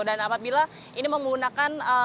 dan apabila ini menggunakan